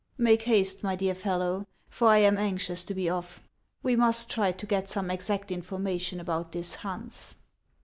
" Make haste, my dear fellow, for I am anxious to be off. We must try to get some exact information about this Hans."